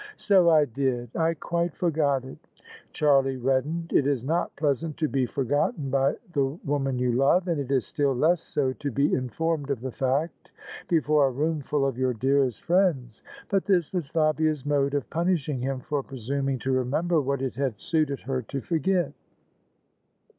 " So I did : I quite forgot it." Charlie reddened. It is not pleasant to be forgotten by m THE SUBJECTION the woman you love; and it is still less so to be informed of the fact before a roomful of your dearest friends. But this was Fabia's mode of punishing him for presimiing to remember what it had suited her to forget.